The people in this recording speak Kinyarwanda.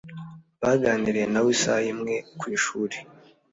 Baganiriye nawe isaha imwe ku ishuri.